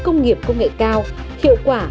công nghiệp công nghệ cao hiệu quả